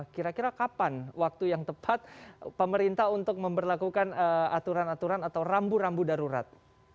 kira kira kapan waktu yang tepat pemerintah untuk memperlakukan aturan aturan atau rambu rambu darurat